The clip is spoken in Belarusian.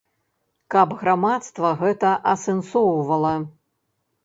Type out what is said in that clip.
Каб грамадства гэта асэнсоўвала.